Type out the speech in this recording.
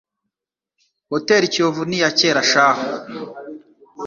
Hotel Kiyovu niyakera shahu